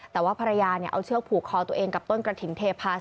แต่ว่าภรรยาเอาเชือกผูกคอตัวเองกับต้นกระถิ่นเทพาส